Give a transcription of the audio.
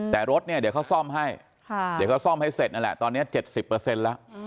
แต่รถเนี่ยเดี๋ยวเขาซ่อมให้เดี๋ยวเขาซ่อมให้เสร็จนั่นแหละตอนนี้๗๐แล้ว